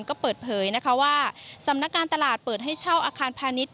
ก็เปิดเผยนะคะว่าสำนักการตลาดเปิดให้เช่าอาคารพาณิชย